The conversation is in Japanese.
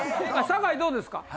酒井どうですか？